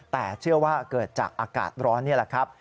แต่เชื่อว่าเกิดจากอากาศร้อนนี่แหละครับ